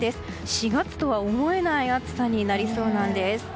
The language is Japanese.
４月とは思えない暑さになりそうなんです。